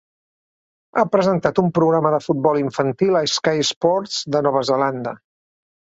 Ha presentat un programa de futbol infantil a Sky Sports de Nova Zelanda.